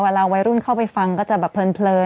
เวลาวัยรุ่นเข้าไปฟังก็จะแบบเพลิน